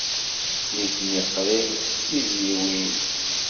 Nitni qrib d tizzyiwin.